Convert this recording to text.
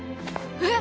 えっ！？